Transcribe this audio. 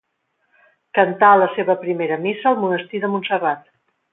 Cantà la seva primera missa al monestir de Montserrat.